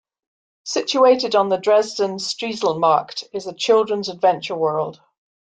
Situated on the Dresden Striezelmarkt is a children's adventure world.